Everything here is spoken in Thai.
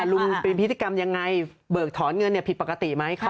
ลุงเป็นพิธีกรรมยังไงเบิกถอนเงินผิดปกติไหม